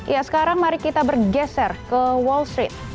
ya sekarang mari kita bergeser ke wall street